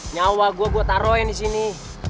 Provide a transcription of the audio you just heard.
nyawa gua gua taruhin di sini